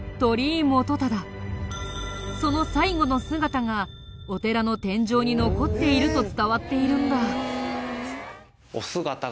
その最後の姿がお寺の天井に残っていると伝わっているんだ。